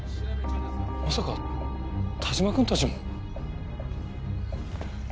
まさか但馬くんたちも？